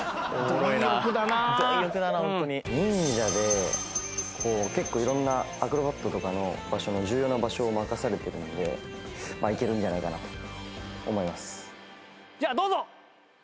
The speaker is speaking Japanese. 忍者でこう結構色んなアクロバットとかの場所も重要な場所を任されてるのでまあいけるんじゃないかなと思います。